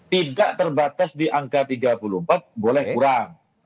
tidak terbatas di angka tiga puluh empat boleh kurang